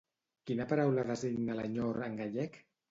Quina paraula designa l'enyor en gallec?